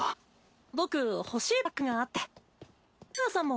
僕欲しいパックがあって。